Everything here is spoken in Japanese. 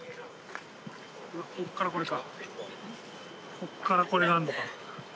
ここからこれがあんのか。